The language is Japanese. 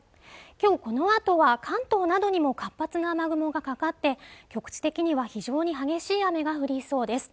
今日このあとは関東などにも活発な雨雲がかかって局地的には非常に激しい雨が降りそうです